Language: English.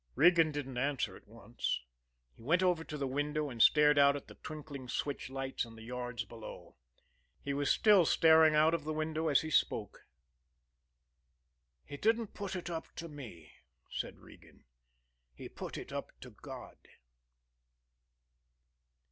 Regan didn't answer at once. He went over to the window and stared out at the twinkling switch lights in the yards below he was still staring out of the window as he spoke. "He didn't put it up to me," said Regan. "He put it up to God."